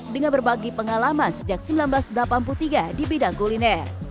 dengan berbagi pengalaman sejak seribu sembilan ratus delapan puluh tiga di bidang kuliner